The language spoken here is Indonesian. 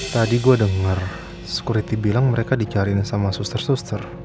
tadi gue dengar security bilang mereka dicariin sama suster suster